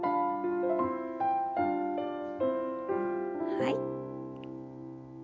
はい。